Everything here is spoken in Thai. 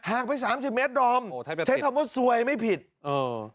ห่างไปสามสิบเมตรดอมโอ้โหใช้คำว่าสวยไม่ผิดเออ